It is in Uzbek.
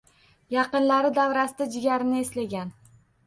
Yaqinlari davrasida jigarini eslagan